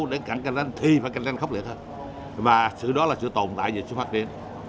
để cảnh tranh thì phải cảnh tranh khốc liệt hơn và sự đó là sự tồn tại và sự phát triển